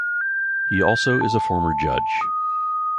He also is a former judge.